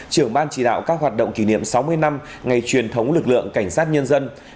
trưởng ban chỉ đạo các hoạt động kỷ niệm sáu mươi năm ngày truyền thống lực lượng cảnh sát nhân dân